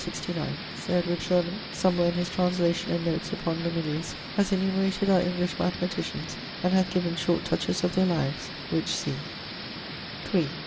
69: 'Sir Edward Shirbourn, somewhere in his translation and notes upon Manilius, has enumerated our English mathematicians, and hath given short touches of their lives which see.'